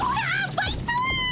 バイト！